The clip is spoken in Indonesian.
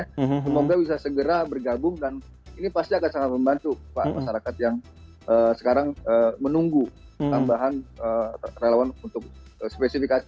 semoga bisa segera bergabung dan ini pasti akan sangat membantu pak masyarakat yang sekarang menunggu tambahan relawan untuk spesifikasi